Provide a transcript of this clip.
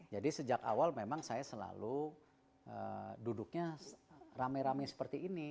jadi sejak awal memang saya selalu duduknya rame rame seperti ini